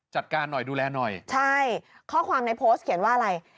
ใช่ข้อความในโพสต์เขียนว่าอะไร